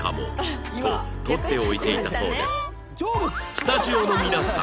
スタジオの皆さん